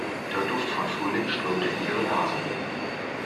Der Duft von Frühling strömte in ihre Nase.